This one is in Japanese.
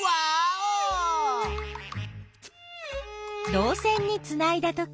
どう線につないだとき